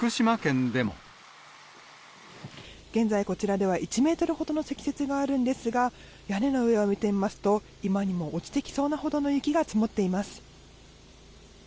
現在、こちらでは１メートルほどの積雪があるんですが、屋根の上を見てみますと、今にも落ちてきそうなほどの雪が積もっています。